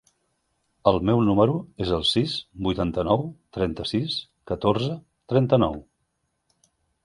El meu número es el sis, vuitanta-nou, trenta-sis, catorze, trenta-nou.